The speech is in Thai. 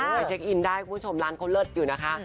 ไปเช็คอินได้คุณผู้ชมร้านเขาเลิศอยู่นะคะ